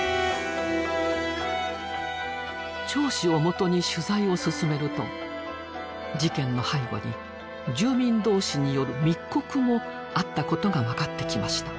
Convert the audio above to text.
町史をもとに取材を進めると事件の背後に住民同士による密告もあったことが分かってきました。